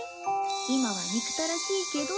今は憎たらしいけど。